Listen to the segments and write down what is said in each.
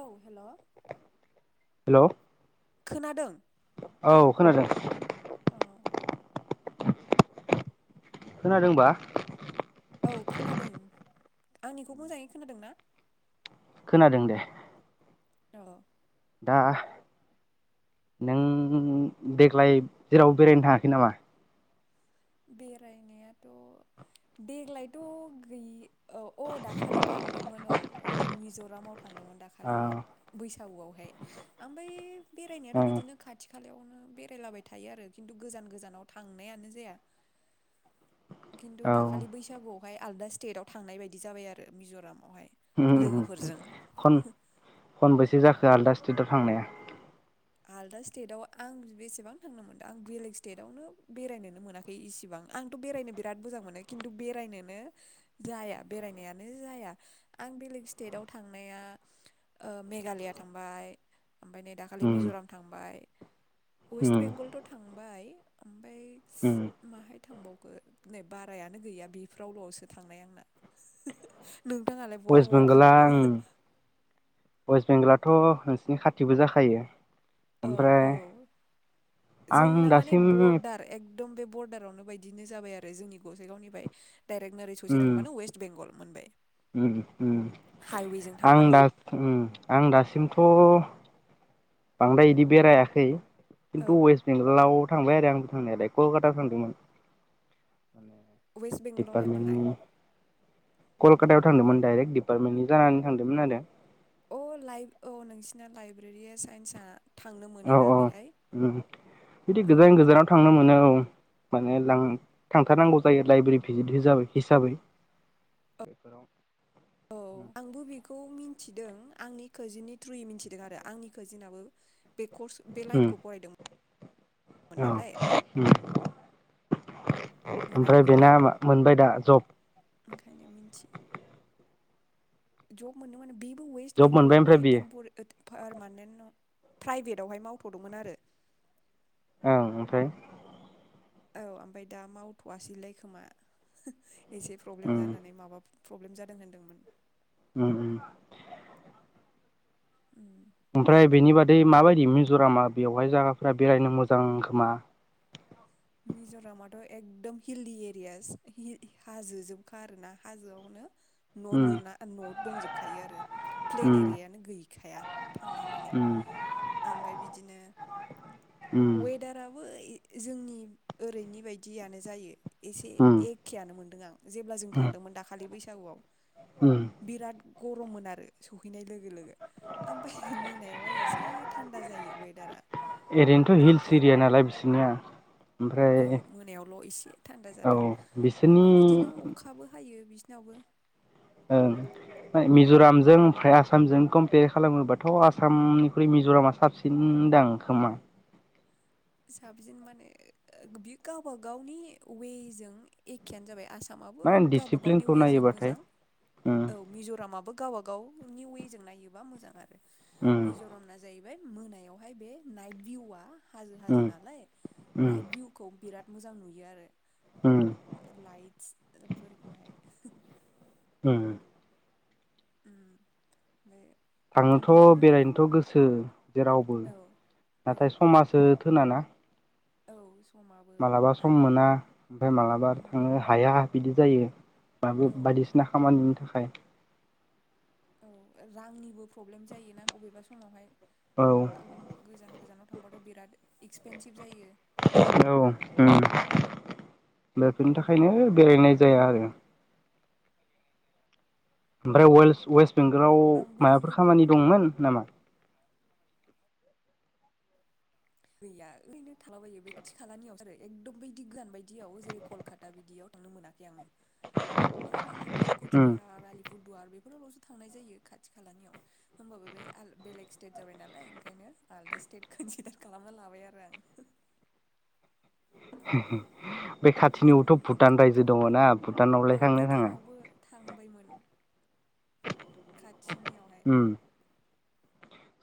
औ hello hello खोनादों औ खोनादों। अ खोनादोंबा। औ खोनादों आंनिखौ मोजाङै खोनादों ना। खोनादों दे। अ। दा नों देग्लाय जेरावबो बेरायनो थाङाखै नामा? बेरायनायाथ' देग्लायथ' गैयि औ अ दाखालि थांदोंमोन औ। मिज'रामाव थांदोंमोन औ दाखालिहाय बैसा सागुआवहाय ओमफाय बेरायनायाथ' औ बिदिनो खाथि खालायावनो बेरायलाबाय थायो आरो खिन्थु गोजान गोजानाव थांनायानो जाया। खिन्थु औ दाखालि बैसागुआवहाय आलदा स्टेटाव थांनाय बायदि जाबाय आरो मिज'राम। [unintelligible] खनबैसे जा? आलदा स्टेटआव थांनाया। आलदा स्टेटआव आं बेसेबां थांनो मोनदों आं बेलेग स्टेटआवनो बेरायनोनो मोनाखै इसिबां आंथ' बेरायनो बिराद मोजां मोनो खिन्थु बेरायनोनो जाया बेरायनायानो जाया आं बेलेग स्टेटाव थांनाया ओ मेघालाया थांबाय ओमफ्राय नै दा खालि उम मिज'राम थांबाय। वेस्ट उम बेंगलथ' थांबाय। ओमफाय उम माहाय थांबावखो नै बारायानो गैया बेफोरावल'सो थांनाय आंना। नोंथाङालाय बहा वेस्ट बहा बेंगला थांखो आं वेस्ट बेंगलाथ' नोंसिनि खाथिबो जाखायो। औ ओमफ्राय औ आं जोंना माने दासिम बरदार एक दम बे बर्डारावनो बायदिनो जाबाय आरो जोंनि गसाइगावनिफ्राय। डाइरेट नोरै ससे उम थांबानो वेस्ट बेंगल। मोनबाय। उम उम हाइवेजों आं थांबानो दा उम आं दासिमथ' बांद्राय इदि बेरायाखै। खिथु औ वेस्ट बेंगलाव थांबाय आरो आंबो थांनायालाय कलकाता थांदोंमोन। वेस्ट बेंगलाव हाय माहाय डिपार्टमेन्टनि कलकातायाव थांदोंमोन डाइरेक्ट डिपार्टमेन्टनि जानानै थांदोंमोन आरो। अ लाइ औ नोंसिना लाइब्रेरिया साइन्सआ थांनो औ मोनोना औ बेहाय बिदि औ गोजान गोजानाव थांनो मोनो औ। माने [unintelligible] थांथारनांगौ जायो लाइब्रेरि भिजिट हिसाबै बेफोराव। औ आंबो बेखौ मि थिदों आंनि खाजोननि थ्रुयै मिथिदों आरो आंनि खाजिनाबो। बे कर्स बे उम लाइनखौ फरायदों औ उम। [inaudible] मोन आरो ओमफ्राय बेहाय बेना मोनबाय दा जब? ओंखायनो मिन्थियो जब मोननो माने बि वेस्ट जब मोनबाय ओमफ्राय बेंगलावहाय बियो टेम्पर ओ पारमानेन्ट न प्राइभेटवहाय मावथ'दोंमोन आरो। ओं ओमफ्राय? औ ओमफाय दा मावथ'वासैलाय खोमा। एसे प्रब्लेम उम जानानै माबा प्रब्लेम जादों होनदोंमोन। उम उम। [inaudible] ओमफ्राय बेनि बादै माबायदि मिज'रामा बेवहाय जागाफोरा बेरायनो मोजां खोमा? मिज'रामाथ' एकदम हिल्लि एरियास हिल हाजो जोबखा आरोना हाजोआवनो। न उम लुना न दंजोबखायो आरो प्लेन उम एरियायानो गैखाया थांनाय माने उम ओमफ्राय बिदिनो उम अवेदाराबो जोंनि ओरैनि बायदियानो जायो। एसे उम एखेयानो मोनदों आं। जेब्ला जों थांदोंमोन दाखालि बैस सागुआव। उम बिराट गरममोन आरो सहैनाय लोगो गो लोगो ओमफाय मोनायावहाय एसे थान्दा जायो वेदारा। आमफाय ना। औ मोनायावल' इसे थान्दा औ जादों ओमफाय बिदिनो बिसोरनि अखाबो हायो बि नावबो। ओं मिज'रामजों ओमफ्राय आसामजों कम्पेर खालामोबाथ' आसामनिख्रुइ मिज'रामा साबसिन दां खोमा? साबसिन माने बि गावबा गावनि वेजों एखेयानो जाबाय। आसाम माबो मा गावबा गावनि डिसिप्लिनखौ वेजों नायोबाथाय मोजां उम औ मिज'रामाबो गाव गाव गाव निउ वेजों नायोबा मोजां आरो। उम मिज'राम ना जाय बाय मोनायावहाय बे नाइट भिउआ उम नालाय उम नाइट भिउखौ बिराथ मोजां नुयो आरो। उम लाइटस फोरखौहाय। [inaudible] ओम ओम ओम आंथ' बेरायनोथ' गोसो जेरावबो औ औ नाथाय समाजो थोना ना। औ समाबो मालाबा सम आरो मोना ओमफ्राय माब्लाबा उम थांनो हाया बिदि जायो। माबो औ बायदिसिना खामानिनि थाखाय। औ रांनिबो प्रब्लेम जायोना अबेबा समावहाय औ ओम गोजान गोजानाव थांबाथ' बिराद एक्सपेनसिभ जायो। औ ओम बेफोरनि थाखायनो खरसाफ्रा बेरायनाय उम जाया आरो। ओमफ्राय औ वेल-वेस्ट बेंगलाव आंबो माबाफोर लोगोफोर खामानि दंमोन नामा? गैया ओरैनो थालाबायो बे खाथि खालानियावसार एकदम बदि गोजान बायदियाव जेरै कलकाता बिदियाव थांनो मोनाखै आङो। ओरैनो बे कच उम बिहार आलि फुटबार बे बेफोरावल'सो थांनाय जायो खाथि खालानियाव होमबाबो बे बेलेग स्टेट जाबाय नालाय ओंखायनो आलदा स्टेट खनसिदार खालामना लाबाय आरो आं। होम बे वेस्ट खाथिनियावथ' बेंगल भुटान काउन्ट रायजो खालामबाय दङनाा औ भुटानावलाय थांनो थाङा? भुटानावबो थांबायमोन। खाथिनियावहाय उम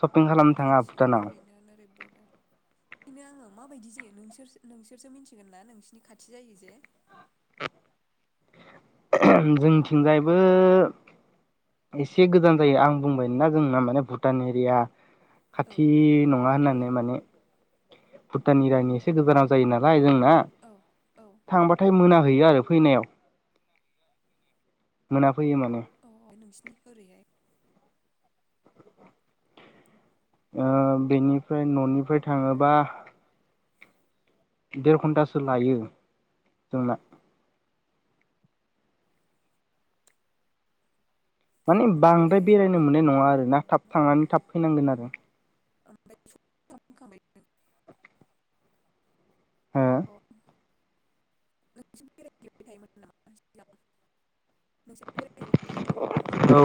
सपिं खालामनो थाङा खाथि भुटानाव? ओरैनो ओरै बरदार बेनो आङो माबायदि जायो नोंसोर नोंसोरसो मिथिगोन ना नोंसिरनि खाथि जायो जे जोंथिंजायबो एसे गोजान जायो आं बुंबाया जोंना माने भुटान एरिया औ खाथि नङा होननानै माने भुटाननि रानि एसे गोजानाव जायो नालाय जों ना औ औ थांबाथाय मोना हैयो आरो फैनायाव। मोना फैयो माने। औ नोंसिनि ओरैहाय ओ बेनिफ्राय न'निफ्राय थाङोबा देर घन्टासो लायो जोंना। माने ए बांद्राय बेरायनो मोननाय माबा नङा आरोना थाब नङाना थांनानै थाब फैनांगोन आरो। [unintelligible] हो [inaudible] नोंसोर बेरायहैबाय थायोमोन नामा सिगां औ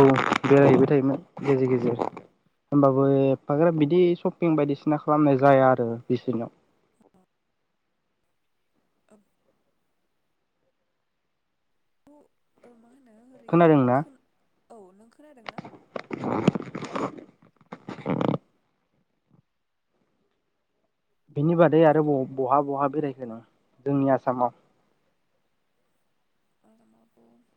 बेरायहैबाय थायोमोन गेजेर गेजेर होमबाबो एफाग्राब बिदि सपिं बायदिसिना खालामनाय जाया आरो बिसोरनियाव [unintelligible] [unintelligible] ओरैहाय खोनादों ना खोन औ नों खोनादोंना [unintelligible] बिनि बादै आरो हेल' बहा बहा बेरायखो नों जोंनि आसामाव आसामावथ'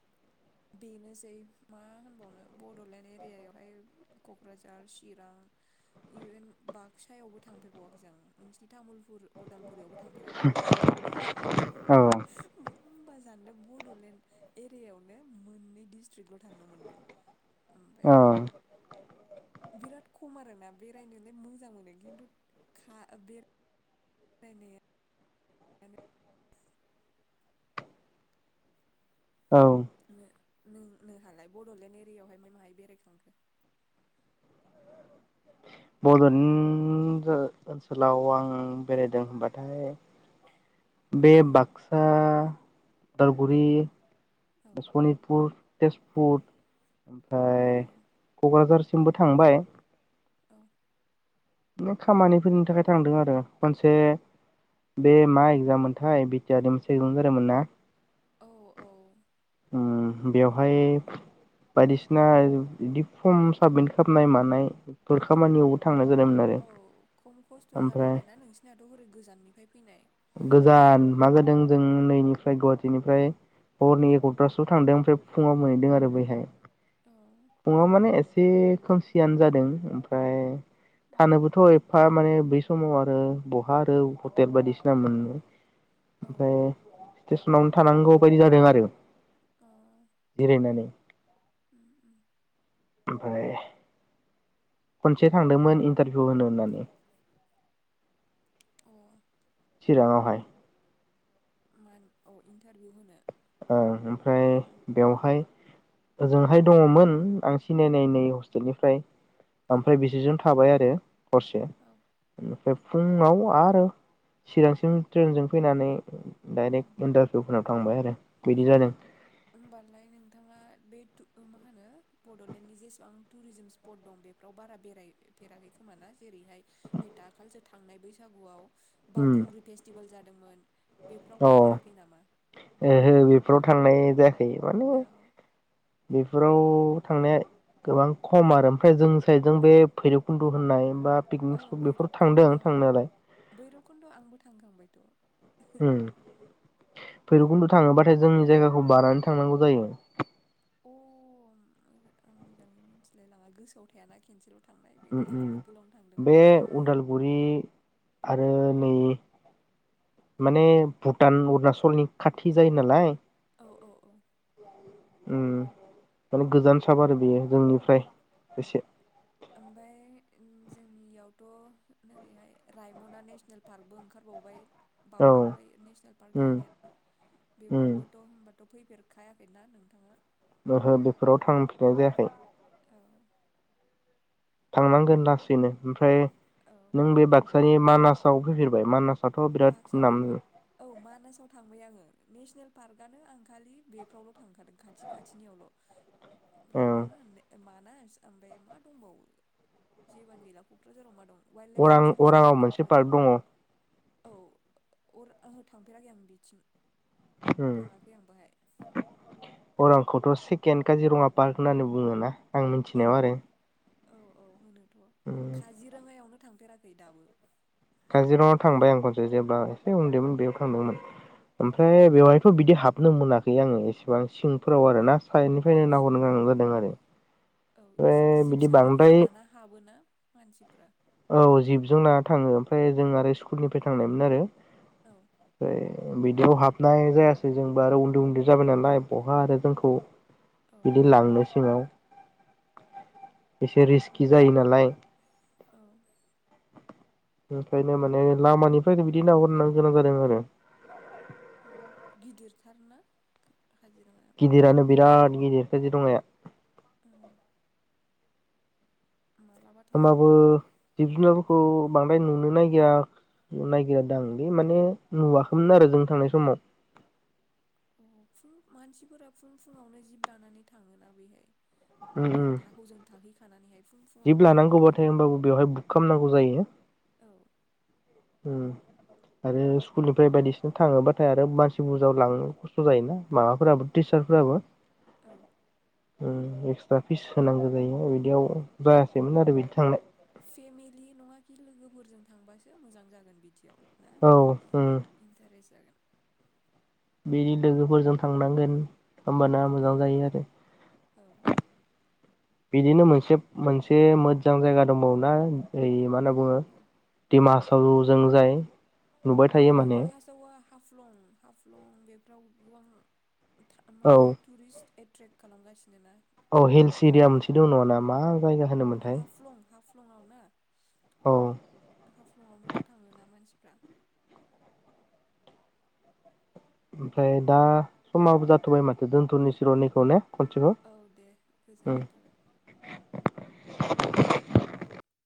बेनोसै मा होनबावनो बड'लेण्ड एरियायावहाय क'क्राझार चिरां इभेन बाक्सायावबो थांफेरबावाखै आं नोंसिनि तामुलपुर अदालगुरियावबो थांफेराखै औ [unintelligible] बड'लेण्ड एरियायावनो मोननै डिस्ट्रिक्टल' थांनो मोनदों ओमफ्राय औ बिराद खम आरोना बेरायनोलाय मोजां मोनो खिन्थु [unintelligible] औ नों नोंहालाय बड'लेण्ड एरिया यावहाय माहाय बेरायखांखो बड'लेण्ड ओनसोलाव आं बेरायदों होनबाथाय बे बाक्सा उदालगुरि सनितपुर तेजपुर औ ओमफ्राय क'क्राझार जोंबो थांबाय औ खामानिफोरनि थाखाय थांदों आरो खनसे बे मा एगजाममोनथाय बि टि आर नि मोनसे एक्जाम जादोंमोन ना औ औ [unintelligible] ओम बेवहाय बायदिसिना बिदि फर्म साबमिट खालामनाय मानायफोर खामानियावबो थांनाय जादोंमोन आरो औ खम खस्थ' जादों ओमफ्राय बे ना नोंसिनियाथ' हरै गोजाननिफ्राय फैनाय गोजान मा जादों जों नैनिफ्राय गुवाहाटिनिफ्राय हरनि एग्र'तासो आव थांदों ओमफ्राय फुङाव मोनहैदों आरो बैहाय औ फुङाव माने एसे एसे खोमसियानो जादों ओमफ्राय उम थानोबोथ' एफा माने बै समाव आरो ब आरो हटेल बायदिसि [unintelligible] ओमफ्राय औ [unintelligible] थानांगौ बायदि जादों आरो अ जिरायनानै उम उम [unintelligible] खनसे थांदोंमोन इन्टारभिउ होनो होननानै। अ चिराङावहाय। मान अ इन्टारभिउ होनो। ओ ओमफ्राय उम बेवहाय ओजोंहाय दङमोन आं सिनायनायनायै हस्टेलनिफ्राय औ आमफ्राय बिसोरजों थाबाय आरो हरसे औ उमफ्राय फुङाव आरो चिरांसिम ट्रेनजों फैनानै उम। डाइरेक्ट इन्टारभिउहोना थांबाय आरो बिदि जादों। होमबालाय नोंथाङा बे थु ओ मा होनो बड'लेण्डनि जेसेबां टुरिजिम स्पट दं बेफ्राव बारा बेरायफेराखै खोमा ना जेरैहाय नै दाखालिसो थांनाय बैसागुआव उम बावखुंग्रि फेस्टिभेल जा मोन। अ ओहो बेफोराव थांनाय जाया बे माने औ बेफोराव थांनाया गोबां खम आरो। ओमफ्राय जों साइडजों औ बे भैरबखुन्द' होननाय बा औ पिकनिक स्पट बेफोर थांदों भैरबखुन्द'आव, थांनायालाय भैरबकुन्द'आव आंबो थांखांबायथ'। ओम भैरबखुन्द' थाङोबाथाय जोंनि जायगाखौ बारनानै थांनांगौ जायो। अ आं मोजाङै मिथिलायलाङा गोसोआव थायाना खेनसेल' थांनाय ओम फैनाय आंहा गोलावनो ओम बे थांदोंमोन। उदालगुरि आरो नै माने भुटान अरुनाचलनि खाथि जायो नालाय, औ औ औ ओम [unintelligible] गोजान साब आरो बेयो जोंनिफ्राय उम। एसे ओमफ्राय जोंनियावथ' ओरैहाय रायम'ना नेसनेल पार्कबो ओंखारबावबाय। औ बावाखै नेसनेल पार्क उम जानाया, उम बेफोरावबोथ' होनबा फैफेरखायाखैना नोंथाङा? ओहो बेफोराव थांफेरनाय जायाखै। औ थांनांगोन लासैनो ओमफ्राय औ नों बे बाक्सानि मानासाव फैफेरबाय मानास बाक्सानि, औ मानासाव थांबाय आङो। नेसनेल पार्कआनो आं खालि बेफ्रावल' थांखादों खाथि खाथिनियावल'। ओ रायम'ना होननाय ओ मा ओमफ्राय मा दंबावो जेबोआनो गैला कक्राझाराव मा दं? वाइल्ड लाइफ अरां सेेंसुरिसो दं अरांआव मोनसे पार्क क'क्राझाराव दङ। औ अर ओहो थांफेराखै आं बिथिं। उम थाङाखै आं बाहाय। खौथ सेकेण्ड काजिरङा पार्क होननानै बुङो ना आं औ मिथिनायाव आरो। औ औ होनो। उम काजिरङायावनो थांफेराखै दाबो। काजिरङायाव थांबाय आं खनसे जेब्ला एसे उन्दैमोन बेयाव थांदोंमोन ओमफ्राय अ बेवहायथ बिदि हाबनो मोनाखै आङो एसेबां सिंफोराव आरो ना। साइडनिफ्रायनो नाहरनो गोनां औ जादों आरो औ ओमफ्राय जिब बिदि बांद्राय साबारिजों लाना हाबोना मानसिफोरा? औ जिबजों लाना थाङो ओमफ्राय जों आरो उम स्कुलनिफ्राय थांनायमोन आरो औ ओमफ्राय बिदियाव हाबनाय जायासै जोंबो आरो उन्दै उन्दै जाबाय नालाय बहा आरो जोंखौ औ बिदि लांनो सिङाव। एसे उम रिस्कि जायो नालाय औ ओंखायनो माने लामानिफ्राय बिदि नाहरनो गोनां जादों आरो। गिदिरथारना काजिरङाया गिदिरानो बिराद गिदिर काजिरङाया। औ मालाबा थांनांगौ होमब्लाबो जाबाय जिब जुनारखौ बां द्राय नुनो नागिरा नागिरादांलै माने नुवाखैमोन आरो जों थांनाय समाव। अ फुं मानसिफोरा फुं फुङावनो जिब लानानै थाङोना बेहाय? उम उम हजों थाहै थानानैहाय जिब लानांगौबाथाय होनोमबाबो बेवहाय बुक खालामनांगौ जायो। औ आरो स्कुलनिफ्राय बायदिसिना थाङोबाथाय आरो मानसि बुरजा लांनो खस्थ जायोना माबाफोराबो टिचारफोराबो औ एक्सट्रा फिस होनांगौ जायो बिदियाव। जायासैमोन आरो बिदि थांनाय फेमिलि नङा खि लोगोफोरजों थांबासो मोजां जागोन बिदियाव। ना औ इन्टारेस्ट जागोन बिनि लोगोफोरजों थांनांगोन ओमबाना मोजां जायो आरो। औ बिदिनो मोनसे मोनसे मोजां जायगा दंबावोना ओ मा होनना बुङो औ दिमा हासावजों जाय? नुबाय औ थायो डिमा माने। हासावा हाफ्लं हाफ्लं बेफ्राव गोबां था मा औ होनो टुरिस्ट एटरेक्ट खालामगासिनो ना? औ हिल्स एरिया दामानि मोनसे दं नङा ना मा जायगा होनोमोनथाय हाफ्लं हाफ लङावना? औ हाफ्लंआवबोथ' थाङोना मानसि ओमफ्राय दा समाबो जाथ'बाय माथो दोनथ'निसिर' नैखौ ने? औ दे खनसिबाव ओम। गोजोननाय थाबाय [inaudible]